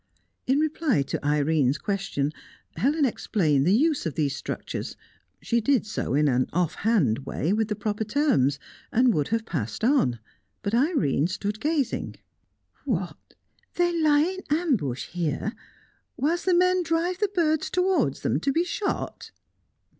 In reply to Irene's question, Helen explained the use of these structures; she did so in an off hand way, with the proper terms, and would have passed on, but Irene stood gazing. "What! They lie in ambush here, whilst the men drive the birds towards them, to be shot?"